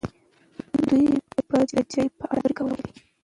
دوی به د جګړې په اړه خبرې کوله.